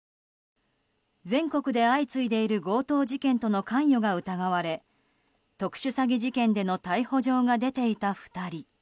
全国で相次いでいる強盗事件との関与が疑われ特殊詐欺事件での逮捕状が出ていた２人。